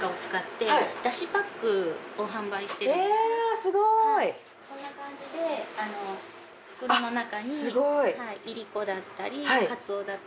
すごい！こんな感じで袋の中にいりこだったりかつおだったり。